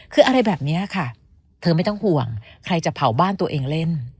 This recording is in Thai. คืออะไรแบบนี้ค่ะเธอไม่ต้องห่วงใครจะเผาบ้านตัวเองเล่น